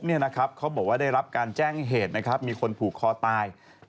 เขาบอกว่าได้รับการแจ้งเหตุนะครับมีคนผูกคอตาย